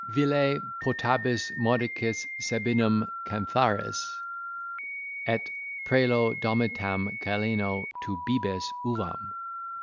"Vile potabis modicis sabinum cantharis— —Et prœlo domitam caleno tu bibes uvam."